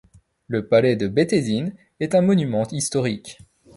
Le Palais de Beiteddine est un monument historique.